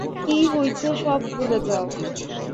কি হইছে সব ভুলে যাও।